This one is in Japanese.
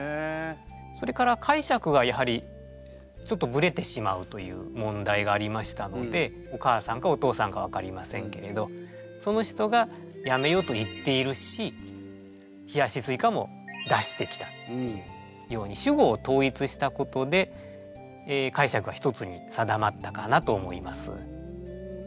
それから解釈がやはりちょっとぶれてしまうという問題がありましたのでお母さんかお父さんか分かりませんけれどその人が「やめよ」と言っているし「冷やしスイカ」も出してきたように主語を統一したことで解釈は一つに定まったかなと思います。